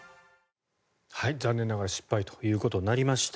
残念ながら失敗ということになりました。